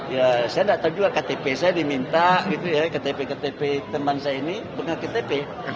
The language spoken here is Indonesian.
ya saya nggak tahu juga ktp saya diminta gitu ya ktp ktp teman saya ini bukan ktp